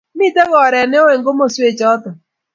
Miten oret ne oo eng komaswek chuto